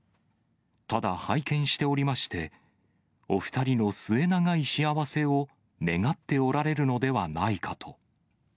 ただ、拝見しておりまして、お２人の末永い幸せを願っておられるのではないかと。